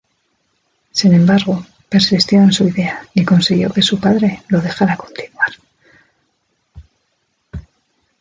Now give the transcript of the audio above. Sin embargo, persistió en su idea y consiguió que su padre lo dejara continuar.